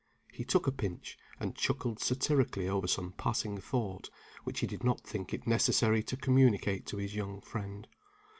He took a pinch, and chuckled satirically over some passing thought, which he did not think it necessary to communicate to his young friend.